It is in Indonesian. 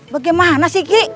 bagaimana sih ki